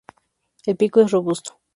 El pico es robusto.